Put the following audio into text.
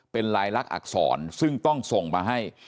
เป็นลายลักษณอักษรซึ่งต้องส่งมาให้